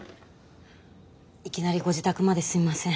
いきなりご自宅まですいません。